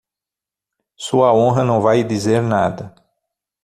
Sua honra não vai dizer nada.